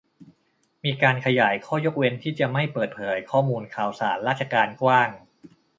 มีการขยายข้อยกเว้นที่จะไม่เปิดเผยข้อมูลข่าวสารราชการกว้าง